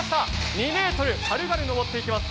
２ｍ、軽々上っていきます。